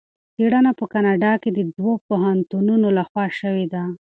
څېړنه په کاناډا کې د دوه پوهنتونونو لخوا شوې ده.